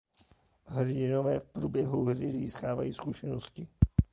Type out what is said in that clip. Hrdinové v průběhu hry získávají zkušenosti.